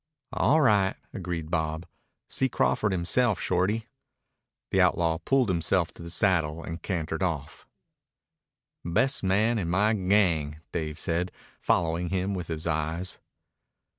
"All right," agreed Bob. "See Crawford himself, Shorty." The outlaw pulled himself to the saddle and cantered off. "Best man in my gang," Dave said, following him with his eyes.